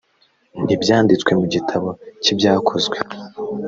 ntibyanditse mu gitabo cy ibyakozwe